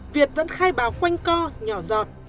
việt vẫn khai báo quanh co nhỏ giọt